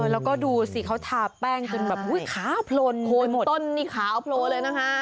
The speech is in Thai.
แล้วก็ดูสิเขาทาแป้งจนแบบอุ้ยขาวพลนต้นนี่ขาวโพลเลยนะคะ